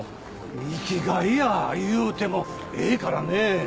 生きがいや言うてもええからね。